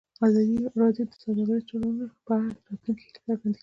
ازادي راډیو د سوداګریز تړونونه په اړه د راتلونکي هیلې څرګندې کړې.